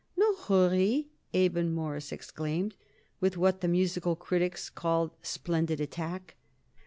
"No hurry," Abe and Morris exclaimed, with what the musical critics call splendid attack.